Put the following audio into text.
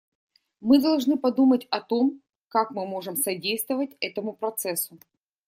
Мы должны подумать о том, как мы можем содействовать этому процессу.